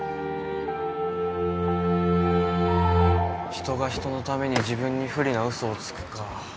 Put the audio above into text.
人が人のために自分に不利なウソをつくか。